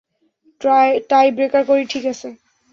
টাই breaker করি, ঠিক আছে?